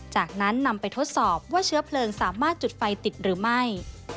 จากนั้นนำไปทดสอบว่าเชื้อเพลิงสามารถจุดไฟติดหรือไม่